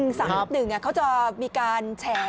เรื่องเกี่ยวกับเรื่องของความเชื่อนี่ก็เป็นเหมือนกันคุณผู้ชม